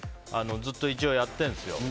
ずっと一応やってるんですよ